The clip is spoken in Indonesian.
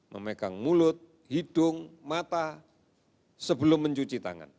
memegang mulut hidung mata sebelum mencuci tangan